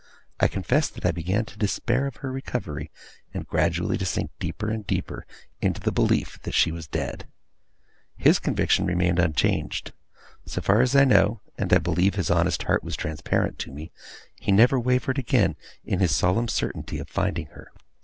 I confess that I began to despair of her recovery, and gradually to sink deeper and deeper into the belief that she was dead. His conviction remained unchanged. So far as I know and I believe his honest heart was transparent to me he never wavered again, in his solemn certainty of finding her.